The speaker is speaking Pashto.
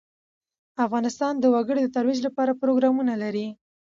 افغانستان د وګړي د ترویج لپاره پروګرامونه لري.